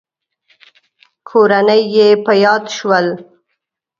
کورنۍ يې په ياد شول.